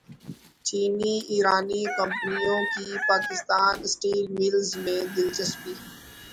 چینی ایرانی کمپنیوں کی پاکستان اسٹیل ملز میں دلچسپی